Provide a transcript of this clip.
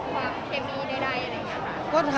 ความเคมีได้อะไรแหละครับ